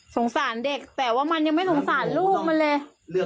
สงสารเด็กแต่ว่ามันยังไม่สงสารลูกมันเลย